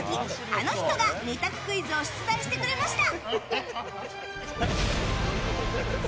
あの人が、２択クイズを出題してくれました！